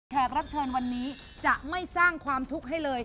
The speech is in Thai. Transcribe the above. แขกรับเชิญวันนี้จะไม่สร้างความทุกข์ให้เลย